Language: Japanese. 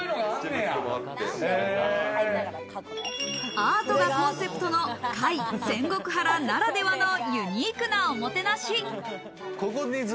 アートがコンセプトの「界仙石原」ならではのユニークなおもてなし。